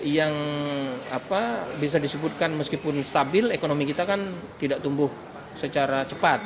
yang bisa disebutkan meskipun stabil ekonomi kita kan tidak tumbuh secara cepat